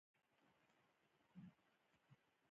کومه رويه درسته ده او کومه رويه نادرسته.